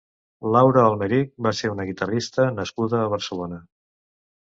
Laura Almerich va ser una guitarrista nascuda a Barcelona.